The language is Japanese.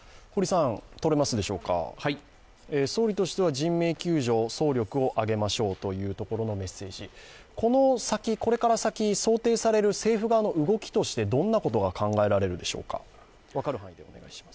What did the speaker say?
総理としては人命救助に総力を挙げましょうというところのメッセージ、この先、想定される政府側の動きとしてどんなことが考えられるでしょうか。